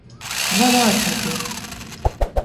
Дванадцяти